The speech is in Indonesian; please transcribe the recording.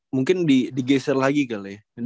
mungkin digeser lagi kali ya